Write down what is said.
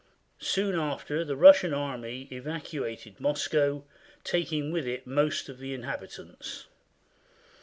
Soon after the Russian army evacuated Moscow, taking with it most of the inhabitants.